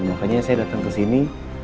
makanya saya datang kesini